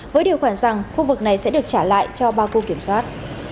với điều khoản rằng khu vực này sẽ được trả lại cho ba khu kiểm soát